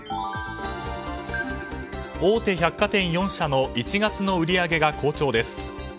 大手百貨店４社の１月の売り上げが好調です。